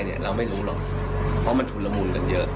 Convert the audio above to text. เราไม่รู้หรอกเพราะมันชุนละมุนกันเยอะ